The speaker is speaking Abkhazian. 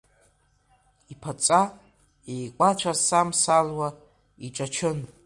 Иԥаҵа еиқәаҵәасамсалуа иҿачын.